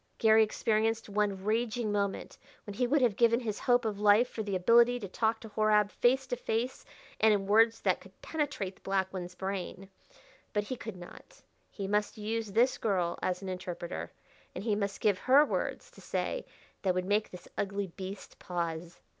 Garry experienced one raging moment when he would have given his hope of life for the ability to talk to Horab face to face and in words that could penetrate the black one's brain. But he could not. He must use this girl as an interpreter, and he must give her words to say that would make this ugly beast pause.